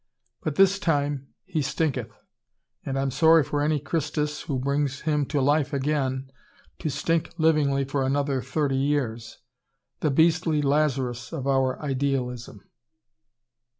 But this time he stinketh and I'm sorry for any Christus who brings him to life again, to stink livingly for another thirty years: the beastly Lazarus of our idealism."